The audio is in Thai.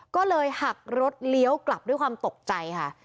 ก็เลยหักรถเลี้ยวกลับด้วยความตกใจค่ะ